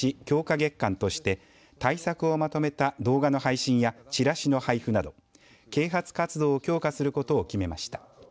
月間として対策をまとめた動画の配信やチラシの配布など啓発活動を強化することを決めました。